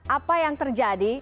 apa yang terjadi